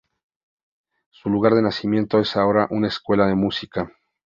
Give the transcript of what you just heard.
Su lugar de nacimiento es ahora una escuela de música.